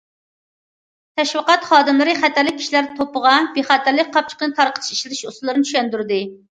تەشۋىقات خادىملىرى خەتەرلىك كىشىلەر توپىغا بىخەتەرلىك قاپچۇقىنى تارقىتىش، ئىشلىتىش ئۇسۇللىرىنى چۈشەندۈردى.